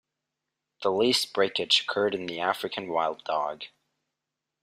The least breakage occurred in the African wild dog.